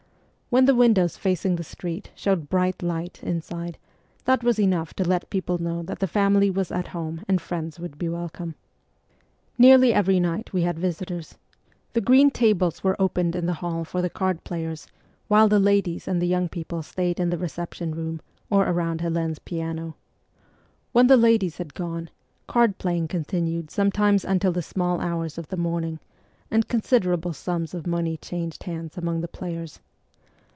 When the windows facing the street showed bright light inside that was enough to let people know that the family was at home and friends would be welcome. Nearly every night we had visitors. The green tables were opened in the hall for the card players, while the ladies and the young people stayed in the reception room or around Helene's piano. When the ladies had gone, card playing continued sometimes till the small hours of the morning, and considerable sums of money changed hands among the players.